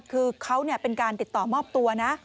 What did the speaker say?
คือเขาเป็นการติดต่อมอบตัวนะ